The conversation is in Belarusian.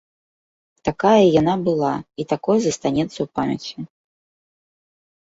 Такая яна была і такой застанецца ў памяці.